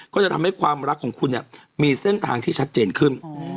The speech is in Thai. ก็จะทำให้ความรักของคุณเนี่ยมีเส้นทางที่ชัดเจนขึ้น